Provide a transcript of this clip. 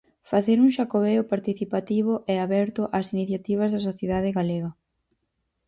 Facer un Xacobeo participativo e aberto ás iniciativas da sociedade galega.